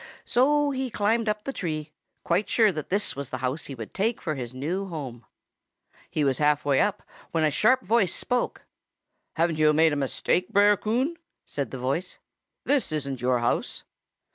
So he climbed up the tree, quite sure that this was the house he would take for his new home. He was half way up when a sharp voice spoke. "Haven't yo' made a mistake, Brer Coon?" said the voice. "This isn't your house."